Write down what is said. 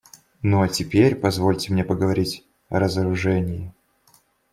Ну а теперь позвольте мне поговорить о разоружении.